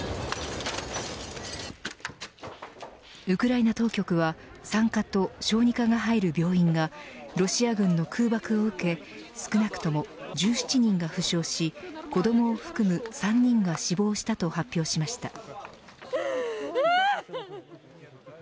ウクライナ当局は産科と小児科が入る病院がロシア軍の空爆を受け少なくとも１７人が負傷し子どもを含む３人が死亡したと発表しました。